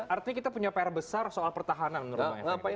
artinya kita punya pr besar soal pertahanan menurut saya